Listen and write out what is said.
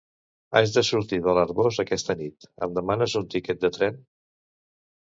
Haig de sortir de l'Arboç aquesta nit; em demanes un tiquet de tren?